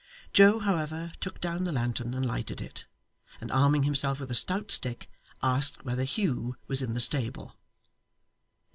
Joe, however, took down the lantern and lighted it; and arming himself with a stout stick, asked whether Hugh was in the stable.